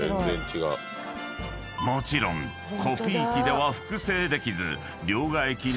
［もちろんコピー機では複製できず］